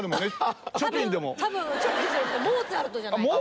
多分チョピンじゃなくてモーツァルトじゃないかな？